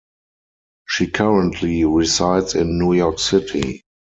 She currently resides in New York City.